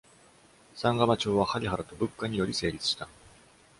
サンガマ朝はハリハラとブッカにより成立した。